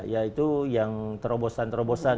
ya itu yang terobosan terobosan